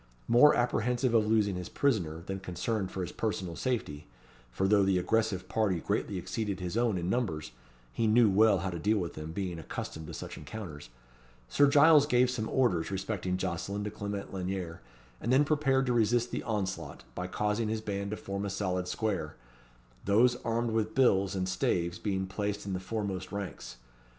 More apprehensive of losing his prisoner, than concerned for his personal safety (for though the aggressive party greatly exceeded his own in numbers, he knew well how to deal with them, being accustomed to such encounters), Sir Giles gave some orders respecting Jocelyn to Clement Lanyere, and then prepared to resist the onslaught, by causing his band to form a solid square; those armed with bills and staves being placed in the foremost ranks.